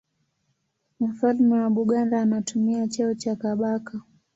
Mfalme wa Buganda anatumia cheo cha Kabaka.